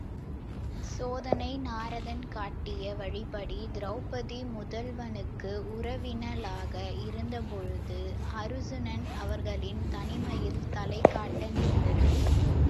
சோதனை நாரதன் காட்டிய வழிப்படி திரெளபதி முதல்வனுக்கு உறவினளாக இருந்தபோது அருச்சுனன் அவர்களின் தனிமையில் தலைகாட்ட நேர்ந்தது.